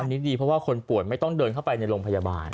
อันนี้ดีเพราะว่าคนป่วยไม่ต้องเดินเข้าไปในโรงพยาบาล